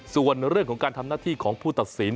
ส่วนเรื่องของการทำหน้าที่ของผู้ตัดสิน